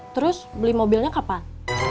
terus beli mobilnya kapan